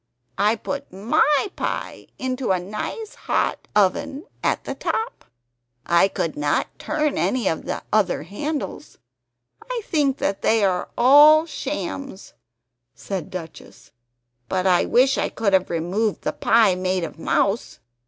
I put MY pie into a nice hot oven at the top. I could not turn any of the other handles; I think that they are all shams," said Duchess, "but I wish I could have removed the pie made of mouse!